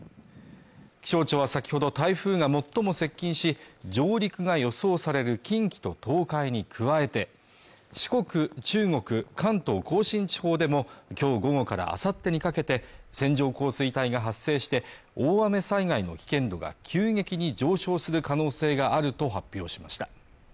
気象庁は先ほど台風が最も接近し上陸が予想される近畿と東海に加えて四国、中国、関東甲信地方でもきょう午後からあさってにかけて線状降水帯が発生して大雨災害の危険度が急激に上昇する可能性があると発表しました